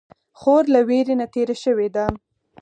خور له ویرې نه تېره شوې ده.